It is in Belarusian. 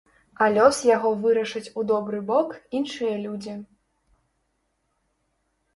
А лёс яго вырашаць у добры бок іншыя людзі.